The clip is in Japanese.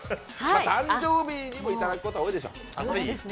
誕生日にいただくことも多いでしょう。